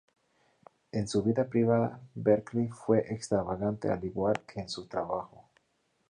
En su vida privada, Berkeley fue extravagante al igual que en su trabajo.